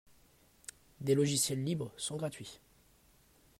Les logiciels libres sont gratuits.